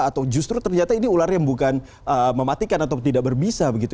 atau justru ternyata ini ular yang bukan mematikan atau tidak berbisa begitu